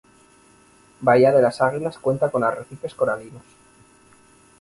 Bahía de las Águilas cuenta con arrecifes coralinos.